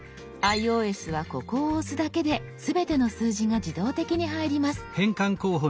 ｉＯＳはここを押すだけで全ての数字が自動的に入ります。